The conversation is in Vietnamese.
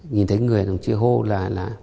nhìn thấy người đàn ông kia hô là